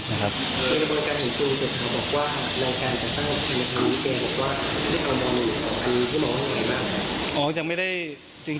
ในบริการเห็นคุณเสร็จเขาบอกว่าในรายการจากตั้งคำถามเขาบอกว่าเรียกว่ามองหนึ่งสองหนึ่งพี่มองว่าไหนบ้าง